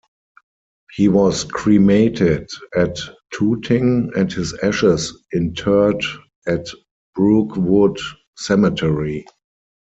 He was cremated at Tooting and his ashes interred at Brookwood Cemetery.